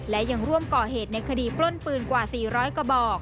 และยังร่วมก่อเหตุในคดีปล้นปืนกว่า๔๐๐กระบอก